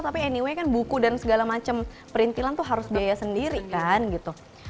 tapi anyway kan buku dan segala macam perintilan tuh harus biaya sendiri kan gitu